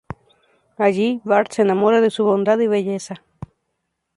Allí, Bart se enamora de su bondad y belleza.